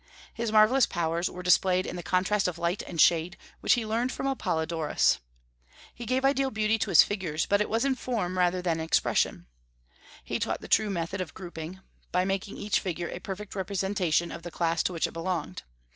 His marvellous powers were displayed in the contrast of light and shade, which he learned from Apollodorus. He gave ideal beauty to his figures, but it was in form rather than in expression. He taught the true method of grouping, by making each figure the perfect representation of the class to which it belonged.